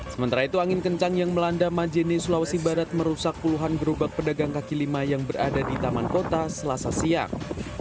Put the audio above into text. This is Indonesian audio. sementara itu angin kencang yang melanda majene sulawesi barat merusak puluhan gerobak pedagang kaki lima yang berada di taman kota selasa siang